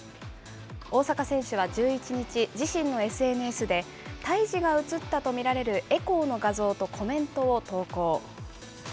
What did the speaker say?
大坂選手は１１日、自身のＳＮＳで、胎児が写ったと見られるエコーの画像とコメントを投稿。